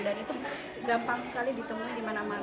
dan itu gampang sekali ditemui di mana mana